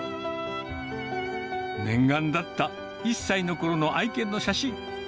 念願だった１歳のころの愛犬の写真。